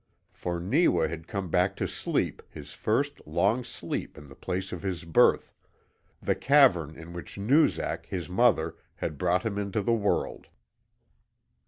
For Neewa had come back to sleep his first Long Sleep in the place of his birth the cavern in which Noozak, his mother, had brought him into the world.